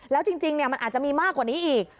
แล้วจริงมันอาจจะมีมากกว่านี้อีก